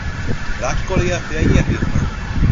রাগ করিয়া ফিরাইয়া দিয়ো না।